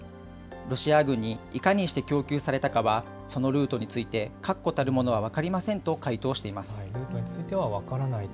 ロシア軍にいかにして供給されたかは、そのルートについて確固たるものは分かりませんと回答してルートについては分からないと。